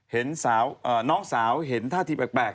น้องสาวเห็นท่าทีแปลก